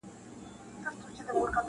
چا راوستي وي وزګړي او چا مږونه،